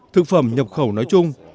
thực phẩm nhập khẩu nói chung